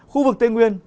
khu vực tây nguyên